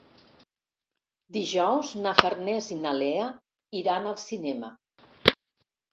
Dijous na Farners i na Lea iran al cinema.